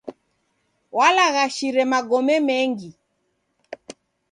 Walaghashire magome mengi.